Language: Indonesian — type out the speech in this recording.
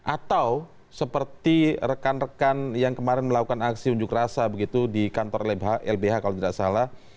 atau seperti rekan rekan yang kemarin melakukan aksi unjuk rasa begitu di kantor lbh kalau tidak salah